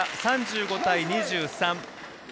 ３５対２３。